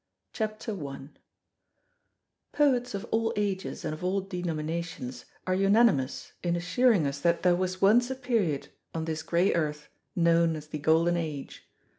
CHAPTER ONE Poets of all ages and of all denominations are unanimous in assuring us that there was once a period on this grey earth known as the Golden Age.